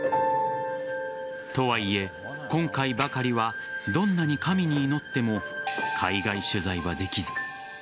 とはいえ今回ばかりはどんなに神に祈っても海外取材はできず。